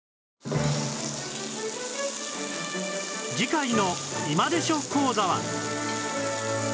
次回の『今でしょ！講座』は